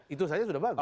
itu saja sudah bagus